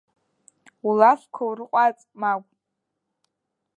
Улафқәа урҟәаҵ, Магә.